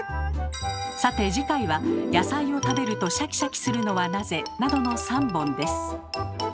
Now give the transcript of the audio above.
さて次回は「野菜を食べるとシャキシャキするのはなぜ」などの３本です。